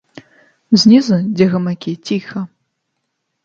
Знізу, дзе гамакі, ціха.